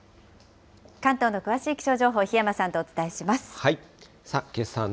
関東の詳しい気象情報、檜山さんとお伝えします。